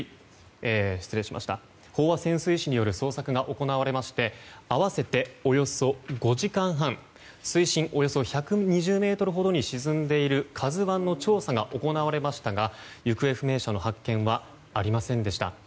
飽和潜水士による捜索が行われまして合わせておよそ５時間半水深およそ１２０ｍほどに沈んでいる「ＫＡＺＵ１」の調査が行われましたが行方不明者の発見はありませんでした。